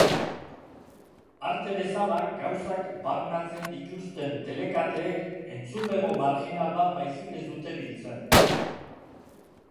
Arte bezala gauzak barnatzen dituzten telekateek entzulego marginal bat baizik ez dute biltzen.